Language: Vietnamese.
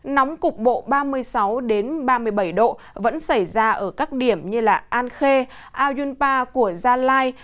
nóng cục bộ ba mươi sáu ba mươi bảy độ vẫn xảy ra ở các điểm như an khê ayunpa của gia lai